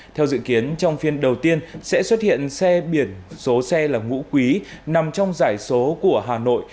theo dự kiến trong phiên đầu tiên sẽ xuất hiện xe biển số xe là ngũ quý nằm trong giải số của hà nội